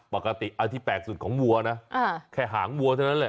ปกติอันที่แปลกสุดของวัวนะแค่หางวัวเท่านั้นแหละ